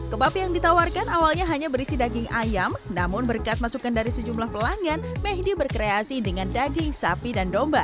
kebab yang ditawarkan awalnya hanya berisi daging ayam namun berkat masukan dari sejumlah pelanggan mehdi berkreasi dengan daging sapi dan domba